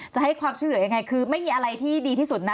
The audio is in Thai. จะให้ความช่วยเหลือยังไงคือไม่มีอะไรที่ดีที่สุดนะ